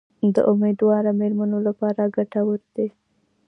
د امیندواره میرمنو لپاره ګټور دي.